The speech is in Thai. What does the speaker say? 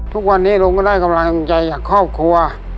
ทุกวันนี้ลุงก็ได้กำลังใจจากครอบครัว